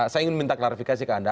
saya ingin minta klarifikasi ke anda